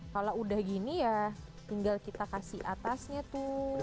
kalau udah gini ya tinggal kita kasih atasnya tuh